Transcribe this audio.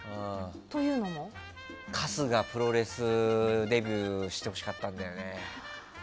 春日プロレスデビューしてほしかったんだよね。